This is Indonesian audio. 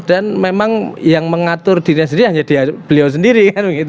dan memang yang mengatur dirinya sendiri hanya beliau sendiri